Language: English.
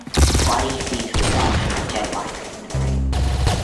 Bunny sees herself on the jetliner in the ring.